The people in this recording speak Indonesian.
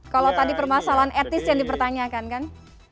kalau tadi permasalahan etis yang dipertanyakan kan